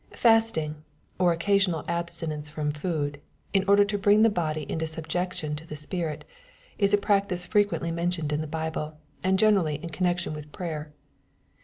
Fasting, or occasional abstinence from food^ in order to bring the body into subjection to the spirit, is a practice frequently mentioned in the Bible, and generally in con nection with pr%yer.